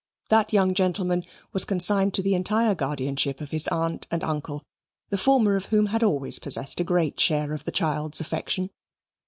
That young gentleman was consigned to the entire guardianship of his aunt and uncle, the former of whom had always possessed a great share of the child's affection.